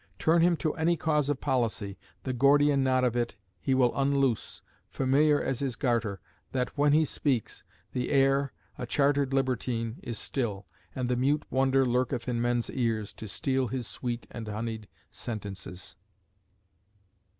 Turn him to any cause of policy, The Gordian knot of it he will unloose Familiar as his garter; that, when he speaks, The air, a chartered libertine, is still, And the mute wonder lurketh in men's ears To steal his sweet and honeyed sentences.